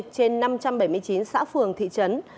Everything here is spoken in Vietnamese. năm trăm ba mươi trên năm trăm bảy mươi chín xã phường thị trấn